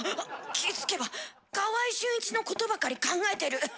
気付けば川合俊一のことばかり考えてる。